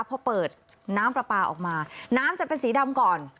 พอเปิดน้ำปลาปลาออกมาน้ำจะเป็นสีดำก่อน